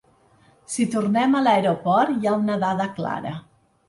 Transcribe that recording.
Si tornem a l’aeroport, hi ha una dada clara.